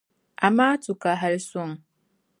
Amaatu ka hali suŋ.